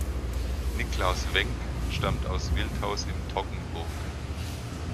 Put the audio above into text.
Niklaus Wenk stammt aus Wildhaus im Toggenburg.